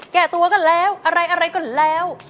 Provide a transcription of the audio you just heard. แก้ตัวก็แล้วอะไรอะไรก็แล้ว